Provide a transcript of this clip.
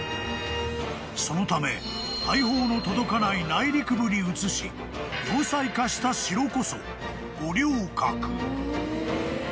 ［そのため大砲の届かない内陸部に移し要塞化した城こそ五稜郭］